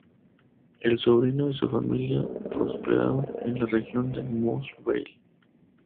El sobrino y su familia prosperaron en la región de Moss Vale.